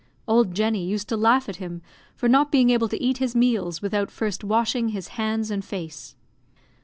Old Jenny used to laugh at him for not being able to eat his meals without first washing his hands and face.